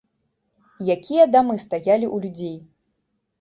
Якія дамы стаялі ў людзей!